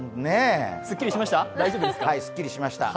すっきりしました。